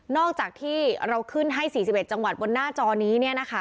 จากที่เราขึ้นให้๔๑จังหวัดบนหน้าจอนี้